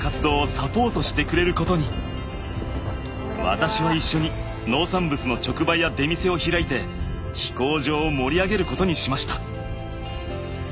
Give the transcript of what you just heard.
私は一緒に農産物の直売や出店を開いて飛行場を盛り上げることにしました。